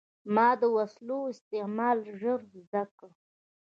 ما د وسلو استعمال ژر زده کړ.